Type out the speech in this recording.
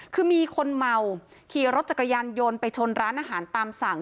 คือมีคนเมาขี่รถจักรยานยนต์ไปชนร้านอาหารตามสั่ง